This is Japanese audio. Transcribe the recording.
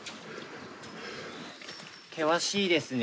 険しいですね。